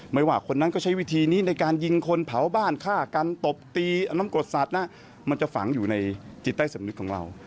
ไม่ว่าคนนั้นก็ใช้วิธีนี้ในการยิงคนเผาบ้านฆ่ากันตบตีเอาน้ำกรดสัตว์มันจะฝังอยู่ในจิตใต้สำนึกของเรา